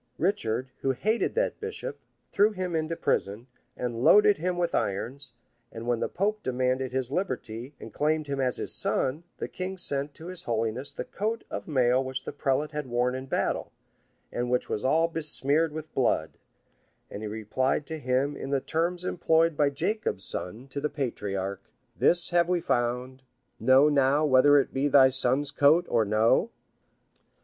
Richard, who hated that bishop, threw him into prison, and loaded him with irons; and when the pope demanded his liberty, and claimed him as his son, the king sent to his holiness the coat of mail which the prelate had worn in battle, and which was all besmeared with blood; and he replied to him in the terms employed by Jacob's sons to that patriarch: "This have we found: know now whether it be thy son's coat or no."